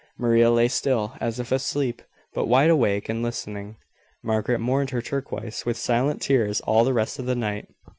Maria lay still, as if asleep, but wide awake and listening. Margaret mourned her turquoise with silent tears all the rest of the night.